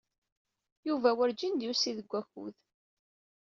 Yuba werǧin d-yusi deg wakud.